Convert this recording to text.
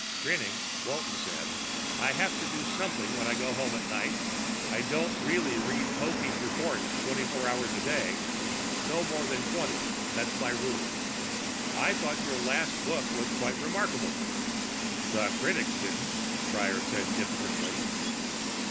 Grinning, Walton said, "I have to do something when I go home at night. I don't really read Popeek reports twenty four hours a day. No more than twenty; that's my rule. I thought your last book was quite remarkable." "The critics didn't," Prior said diffidently.